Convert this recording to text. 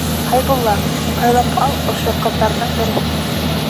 Хәйбулла, һайлап ал ошо ҡыҙҙарҙың береһен.